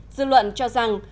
dư luận cho rằng